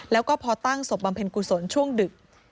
แล้วก็พอตั้งศพบำเพ็ญกุศลช่วงดึก